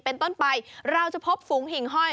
เป็นต้นไปเราจะพบฝูงหิ่งห้อย